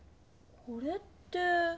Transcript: これって。